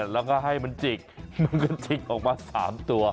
แล้วก็ให้มันจิกมันก็จิกออกมา๓ตัว